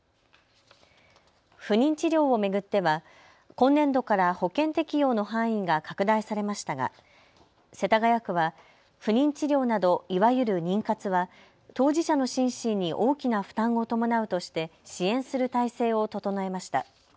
不妊治療を巡っては今年度から保険適用の範囲が拡大されましたが、世田谷区は不妊治療などいわゆる妊活は当事者の心身に大きな負担を伴うとして支援する態勢を整えました。